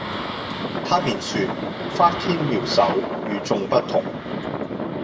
他便說「翻天妙手，與衆不同」。